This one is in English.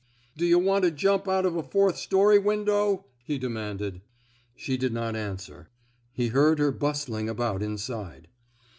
*'D'yuh want to jump out of a fourth story window? *' he demanded. She did not answer. He heard her bus tling about inside.